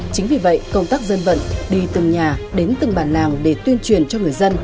chính vì vậy công tác dân vận đi từng nhà đến từng bản làng để tuyên truyền cho người dân